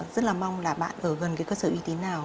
rất là mong là bạn ở gần cái cơ sở uy tín nào